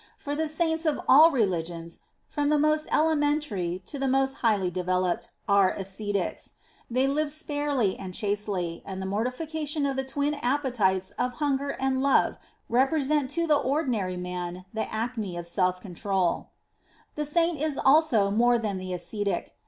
For the Saints of all religions, from the most elementary to the most highly developed, are ascetics. They live sparely and chastely, and the morti fication of the twin appetites of hunger and love represent to the ordinary man the acme of self control. xxii INTRODUCTION The Saint is also more than the ascetic.